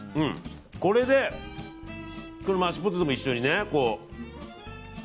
これでマッシュポテトも一緒にね。